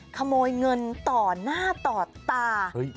ขโมยเงินต่อหน้าต่อตา